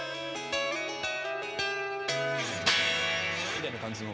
みたいな感じの。